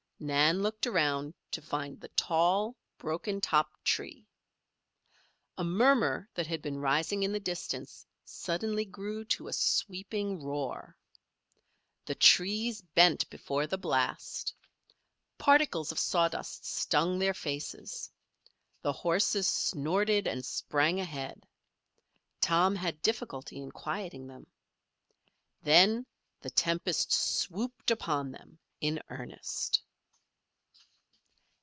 Nan looked around to find the tall, broken topped tree. A murmur that had been rising in the distance suddenly grew to a sweeping roar. The trees bent before the blast. Particles of sawdust stung their faces. The horses snorted and sprang ahead. Tom had difficulty in quieting them. Then the tempest swooped upon them in earnest.